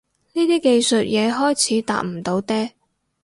呢啲技術嘢開始搭唔到嗲